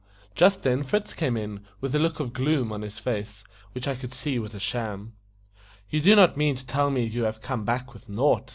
Just then Fritz came in, with a look of gloom on his face, which I could see was a sham. "You do not mean to tell me you have come back with nought?"